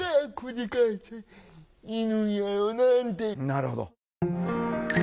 なるほど。